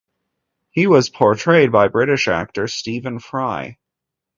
He was portrayed by British actor Stephen Fry.